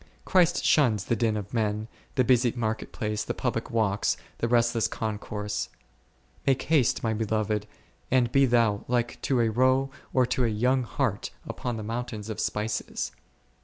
Christ shuns the din of men, the busy market place, the public walks, the restless concourse : Make haste my Beloved, and be Thou like to a roe or to a young hart upon the mountains of spices.